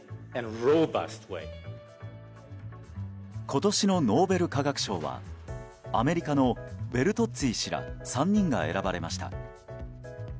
今年のノーベル化学賞はアメリカのベルトッツィ氏ら３人が選ばれました。